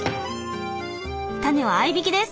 タネは合いびきです。